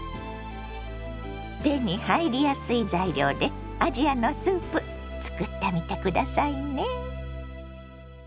手に入りやすい材料でアジアのスープ作ってみて下さいね。